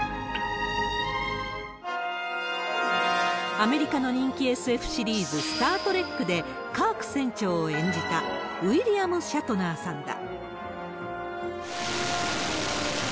アメリカの人気ＳＦシリーズ、スター・トレックで、カーク船長を演じたウィリアム・シャトナーさんだ。